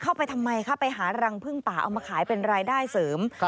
ทำไมคะไปหารังพึ่งป่าเอามาขายเป็นรายได้เสริม